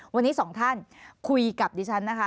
วันนี้สองท่านคุยกับดิฉันนะคะ